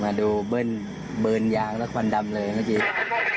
มาดูเบิร์นยางแล้วควันดำเลยใช่ไหมที่